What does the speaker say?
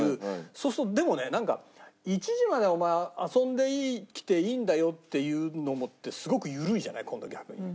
そうするとでもねなんか「１時までお前遊んできていいんだよ」っていうのもすごく緩いじゃない今度逆に。